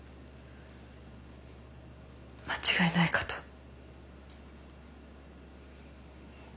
間違いないかと。